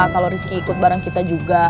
kalo risky ikut bareng kita juga